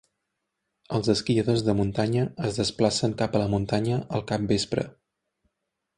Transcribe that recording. Els esquiadors de muntanya es desplacen cap a la muntanya al capvespre.